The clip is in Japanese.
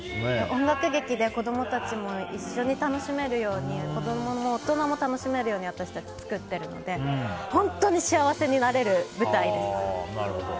音楽劇で子供たちも一緒に楽しめるように子供も大人も楽しめるように私たちは作ってるので本当に幸せになれる舞台です。